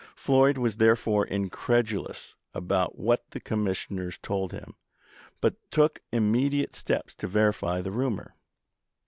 Floyd was therefore incredulous about what the commissioners told him, but took imme diate steps to verify the rumor.